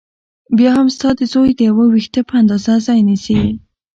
بيا هم ستا د زوى د يوه وېښته په اندازه ځاى نيسي .